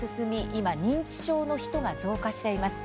今認知症の人が増加しています。